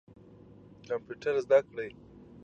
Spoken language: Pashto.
کمپیوټر زده کړئ.